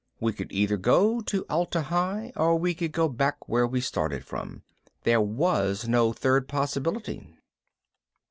We could either go to Atla Hi or we could go back where we'd started from. There was no third possibility.